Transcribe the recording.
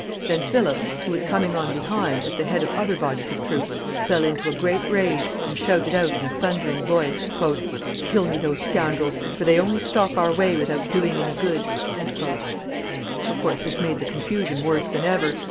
Then Philip, who was coming on behind at the head of other bodies of troops, fell into a great rage, and shouted out in a thundering voice, "Kill me those scoundrels, for they only stop our way without doing any good." Of course, this made the confusion worse than ever.